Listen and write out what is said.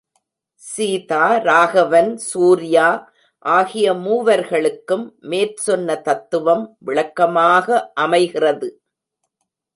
சீதா, ராகவன், சூர்யா ஆகிய மூவர்களுக்கும் மேற்சொன்ன தத்துவம் விளக்கமாக அமைகிறது!